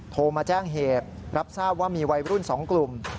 โทรมาแจ้งเหตุรับทราบว่ามีวัยรุ่น๒กลุ่ม